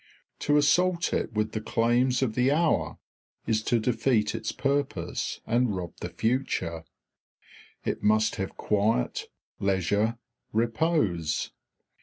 To assault it with the claims of the hour is to defeat its purpose and rob the future. It must have quiet, leisure, repose.